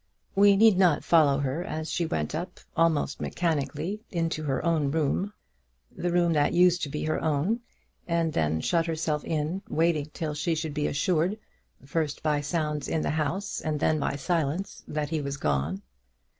We need not follow her as she went up, almost mechanically, into her own room, the room that used to be her own, and then shut herself in, waiting till she should be assured, first by sounds in the house, and then by silence, that he was gone.